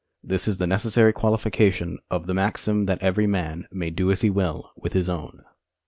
This is the necessary qualification of the maxim that every man may do as he Avill with his own.